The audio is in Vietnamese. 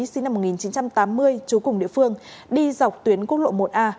sinh năm một nghìn chín trăm tám mươi chú cùng địa phương đi dọc tuyến quốc lộ một a